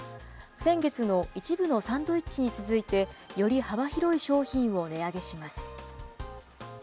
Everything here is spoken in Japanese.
先月の一部のサンドイッチに続いて、より幅広い商品を値上げします。